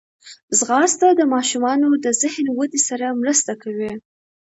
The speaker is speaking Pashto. ځغاسته د ماشومانو د ذهن ودې سره مرسته کوي